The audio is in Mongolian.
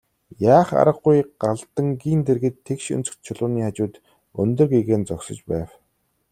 Яах аргагүй Галдангийн дэргэд тэгш өнцөгт чулууны хажууд өндөр гэгээн зогсож байв.